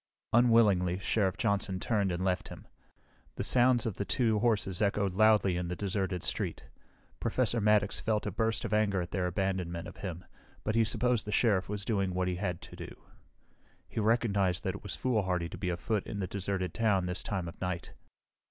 Unwillingly, Sheriff Johnson turned and left him. The sounds of the two horses echoed loudly in the deserted street. Professor Maddox felt a burst of anger at their abandonment of him, but he supposed the Sheriff was doing what he had to do. He recognized that it was foolhardy to be afoot in the deserted town this time of night.